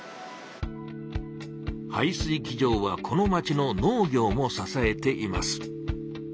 排水機場はこの町の農業もささえています。